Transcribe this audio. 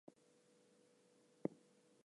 The era of artificial intelligence has emerged.